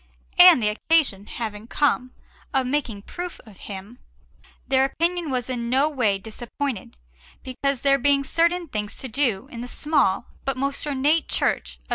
And the occasion having come of making proof of him, their opinion was in no way disappointed, because, there being certain things to do in the small but most ornate Church of S.